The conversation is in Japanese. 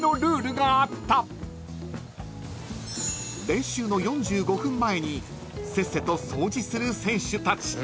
［練習の４５分前にせっせと掃除する選手たち］